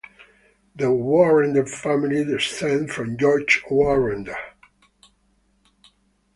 The Warrender family descends from George Warrender.